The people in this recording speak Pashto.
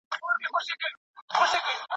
د مقالي املا چا سمه کړه؟